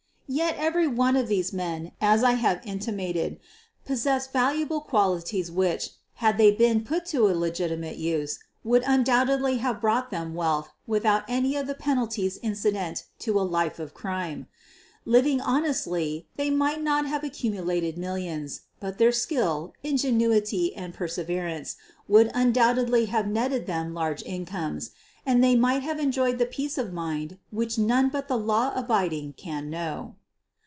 Yet every one of these men, as I have intimated, possessed valuable qualities which, had they been put to a legitimate use, would undoubtedly have brought them wealth without any of the penalties incident to a life of crime. Living honestly they might not have accumulated millions, but their skill, ingenuity, and perseverance would undoubtedly 174 SOPHIE LYONS have netted them large incomes, and they might have enjoyed the peace of mind which none but the law abiding can know.